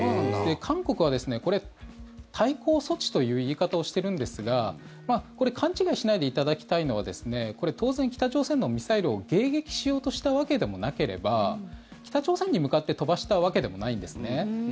韓国は、これ、対抗措置という言い方をしているんですがこれ、勘違いしないでいただきたいのは当然、北朝鮮のミサイルを迎撃しようとしたわけでもなければ北朝鮮に向かって飛ばしたわけでもないんですね。